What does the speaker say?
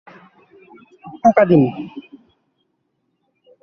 এসব কেন্দ্র সর্বব্যাপী পরিবেশ অবনতির ওপর বহুবিষয়ক গবেষণার প্রতি অধিকতর দৃষ্টি রাখবে।